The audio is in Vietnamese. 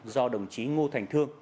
do đồng chí ngô thành thương